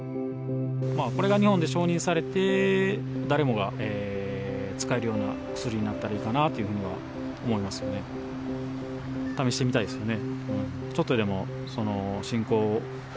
これが日本で承認されて、誰もが使えるような薬になったらいいかなというふうには思いますよね。